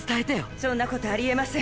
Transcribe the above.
そんなことありえません。